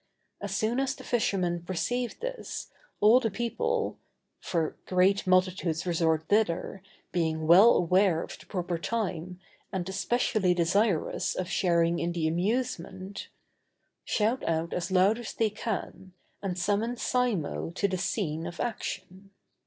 As soon as the fishermen perceive this, all the people—for great multitudes resort thither, being well aware of the proper time, and especially desirous of sharing in the amusement—shout as loud as they can, and summon Simo to the scene of action.